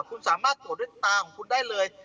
คุณสามารถตรวจด้วยตาของคุณได้เลย